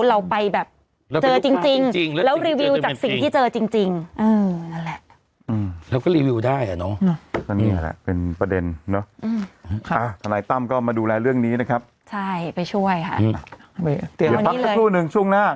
ใช่ไปช่วยค่ะเตรียมตอนนี้เลยอย่าพักสักชั่วหนึ่งช่วงหน้า